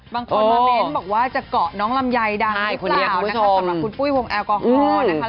บางคนมาเน้นบอกว่าจะเกาะน้องลำไยดังหรือเปล่านะคะสำหรับคุณปุ้ยวงแอลกอฮอล์นะคะ